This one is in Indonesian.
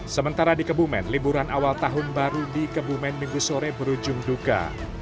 sementara di kebumen liburan awal tahun baru di kebumen minggu sore berujung duka